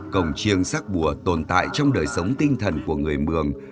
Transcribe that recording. cổng chiêng sắc bùa tồn tại trong đời sống tinh thần của người mường